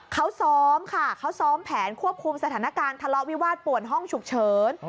เขาซ้อมค่ะเขาซ้อมแผนควบคุมสถานการณ์ทะเลาะวิวาสป่วนห้องฉุกเฉิน